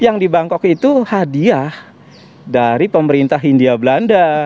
yang di bangkok itu hadiah dari pemerintah hindia belanda